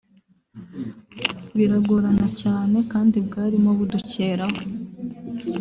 biragorana cyane kandi bwarimo budukeraho